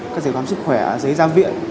các giấy pháp sức khỏe giấy ra viện